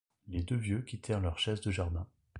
Les deux vieux quittèrent leur chaise de jardin.